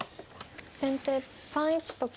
先手３一と金。